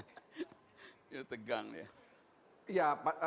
dia tegang ya